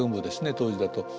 当時だと。